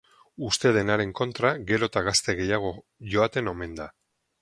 Uste denaren kontra, gero eta gazte gehiago joaten omen da.